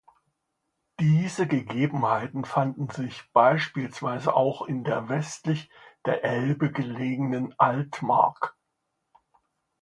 Diese Gegebenheiten fanden sich beispielsweise auch in der westlich der Elbe gelegenen Altmark.